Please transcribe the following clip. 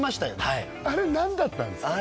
はいあれ何だったんですか？